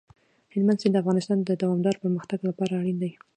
هلمند سیند د افغانستان د دوامداره پرمختګ لپاره اړین دي.